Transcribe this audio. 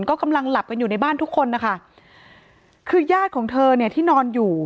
ก็กำลังหลับกันอยู่ในบ้านทุกคนนะคะคือญาติของเธอเนี่ยที่นอนอยู่